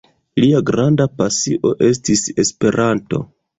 Lia granda pasio estis Esperanto.